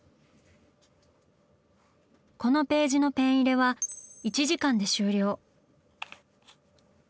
このページのペン入れは１時間で終了。